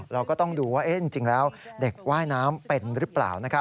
เราก็ต้องดูว่าจริงแล้วเด็กว่ายน้ำเป็นหรือเปล่า